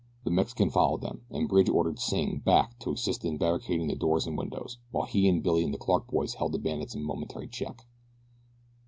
The Mexican followed them, and Bridge ordered Sing back to assist in barricading the doors and windows, while he and Billy and the Clark boys held the bandits in momentary check.